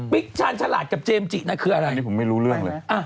ชาญฉลาดกับเจมสจินะคืออะไรนี่ผมไม่รู้เรื่องเลย